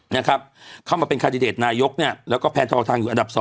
นะครับเข้ามาเป็นคาดิเดตนายกเนี่ยแล้วก็แพนธวทางอยู่อันดับ๒